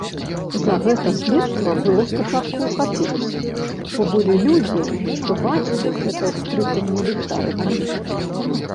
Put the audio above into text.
За гэта следства было спачатку ўхапілася, бо былі людзі, што бачылі гэтае пстрыканне ліхтарыкам.